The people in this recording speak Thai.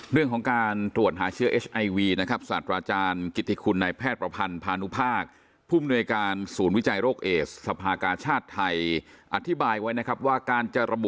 จอมขวัญนะครับไปติดตามพร้อมกันครับ